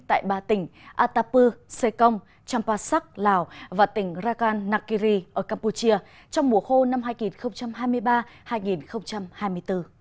tại ba tỉnh atapu sê công champasak lào và tỉnh rakan nakiri ở campuchia trong mùa khô năm hai nghìn hai mươi ba hai nghìn hai mươi bốn